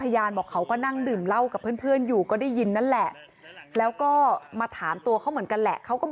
ยืนดูปลาอยู่เขามาข้างหลัง